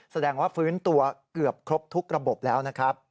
แสดงว่าฟื้นตัวเกือบครบทุกระบบแล้วนะครับ